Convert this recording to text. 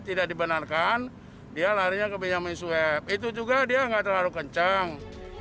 tidak dibenarkan dia larinya ke benyamin swab itu juga dia nggak terlalu kencang